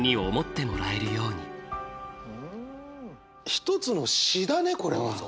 一つの詩だねこれは。